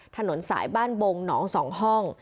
ถนนสายบ้านบงหนอง๒ห้อง